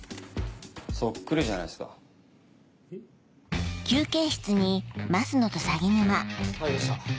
そっくりじゃないっすか。えっ？ありました。